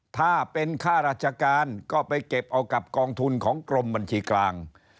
ถ้าเป็นค่าราชการก็ไปเก็บเอากับกองทุนของกรมบัญชีกลาง